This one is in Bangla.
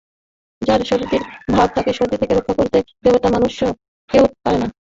যার সর্দির ধাত তাকে সর্দি থেকে রক্ষা করতে দেবতা মনুষ্য কেউ পারে না।